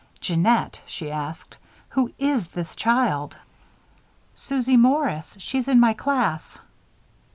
"Jeannette," she asked, "who is this child?" "Susie Morris. She's in my class."